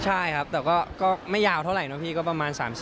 ใช่ครับแต่ก็ไม่ยาวเท่าไหร่นะพี่ก็ประมาณ๓๐